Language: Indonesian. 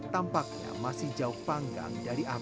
tampaknya masih jauh panggang dari abah